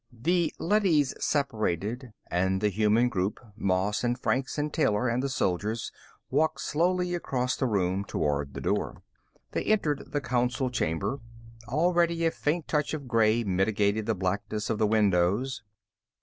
The leadys separated, and the human group, Moss and Franks and Taylor and the soldiers, walked slowly across the room, toward the door. They entered the Council Chamber. Already a faint touch of gray mitigated the blackness of the windows.